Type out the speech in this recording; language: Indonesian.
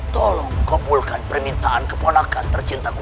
tolong kumpulkan permintaan keponakan tercintaku